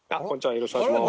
よろしくお願いします。